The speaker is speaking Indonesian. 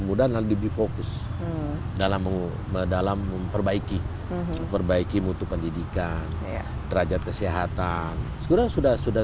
profesional lebih fokus dalam memperbaiki memperbaiki mutu pendidikan raja kesehatan segera sudah sudah